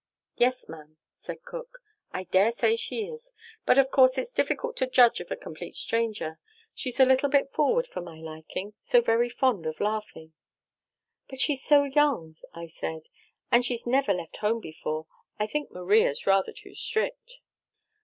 "'Yes, ma'am,' said cook, 'I dare say she is. But of course it's difficult to judge of a complete stranger. She's a little bit forward for my liking so very fond of laughing.' "'But she's so young,' I said, 'and she's never left home before. I think Maria's rather too strict.'